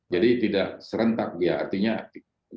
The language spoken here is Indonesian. jadi tidak serentak artinya jakarta naik kasus bukan berarti merah naik kasus